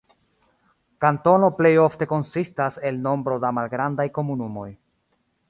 Kantono plejofte konsistas el nombro da malgrandaj komunumoj.